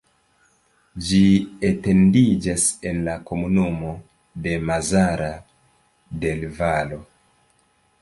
Ĝi etendiĝas en la komunumo de Mazara del Vallo.